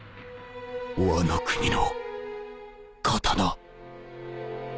ワノ国の刀